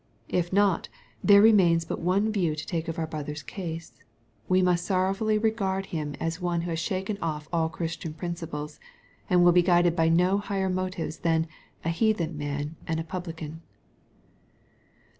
If not, there remains but one view to take of our brother's case — ^we must sorrowfully regard him as one who has shaken off all Christian principles, and will be guided by no highei motives than ^^ a heathen man and a publican."